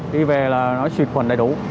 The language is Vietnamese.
đi về là nó xuyệt quần đầy đủ